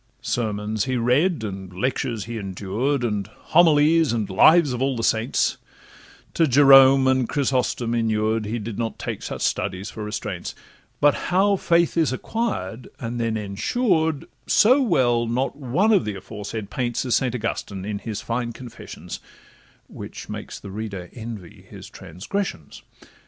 Sermons he read, and lectures he endured, And homilies, and lives of all the saints; To Jerome and to Chrysostom inured, He did not take such studies for restraints; But how faith is acquired, and then ensured, So well not one of the aforesaid paints As Saint Augustine in his fine Confessions, Which make the reader envy his transgressions.